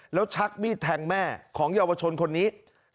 แล้วชักมีดแทงแม่ของเยาวชนคนนี้